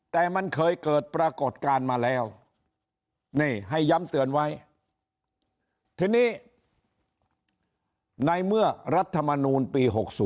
แต่มันเคยเกิดปรากฏการณ์มาแล้วนี่ให้ย้ำเตือนไว้ทีนี้ในเมื่อรัฐมนูลปี๖๐